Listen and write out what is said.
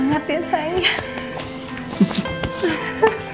nung mama seneng banget nung